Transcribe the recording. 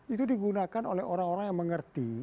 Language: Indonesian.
itu digunakan oleh orang orang yang mengerti